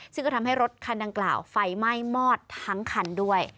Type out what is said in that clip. ซึ่งก็ทำให้รถคันดังกล่าวไฟไหม้มอดทั้งคันด้วย